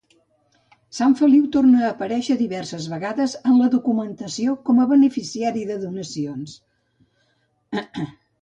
Sant Feliu torna a aparèixer diverses vegades en la documentació com a beneficiari de donacions.